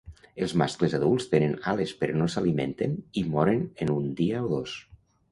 Els mascles adults tenen ales però no s'alimenten i moren en un dia o dos.